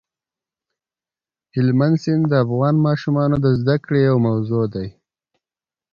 هلمند سیند د افغان ماشومانو د زده کړې یوه موضوع ده.